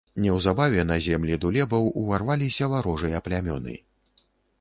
Неўзабаве на землі дулебаў уварваліся варожыя плямёны.